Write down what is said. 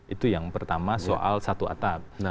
itu yang pertama soal satu atap